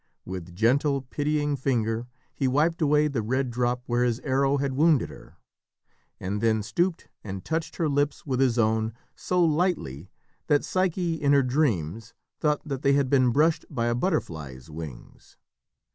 With gentle, pitying finger he wiped away the red drop where his arrow had wounded her, and then stooped and touched her lips with his own, so lightly that Psyche in her dreams thought that they had been brushed by a butterfly's wings.